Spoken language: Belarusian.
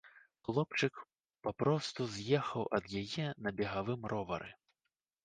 Хлопчык папросту з'ехаў ад яе на бегавым ровары.